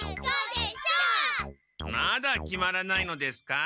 まだ決まらないのですか？